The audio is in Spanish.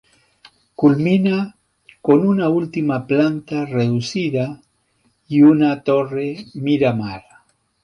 Culmina con una última planta reducida y una torre miramar.